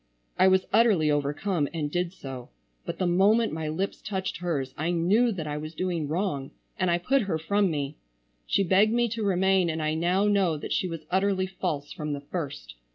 I was utterly overcome and did so, but the moment my lips touched hers I knew that I was doing wrong and I put her from me. She begged me to remain, and I now know that she was utterly false from the first.